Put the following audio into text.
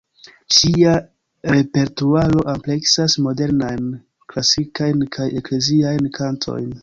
Ŝia repertuaro ampleksas modernajn, klasikajn kaj ekleziajn kantojn.